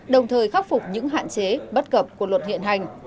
đồng thời khắc phục những hạn chế bất cập của luật hiện hành